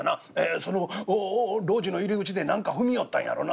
その路地の入り口で何か踏みよったんやろな。